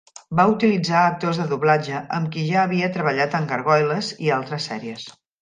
Va utilitzar actors de doblatge amb qui ja havia treballat en "Gargoyles" i altres sèries.